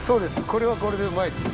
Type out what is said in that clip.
これはこれでうまいです。